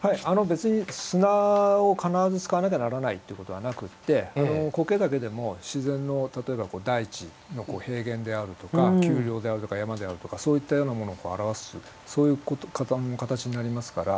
別に砂を必ず使わなきゃならないっていうことはなくって苔だけでも自然の例えばこう大地の平原であるとか丘陵であるとか山であるとかそういったようなものを表すそういう形になりますから。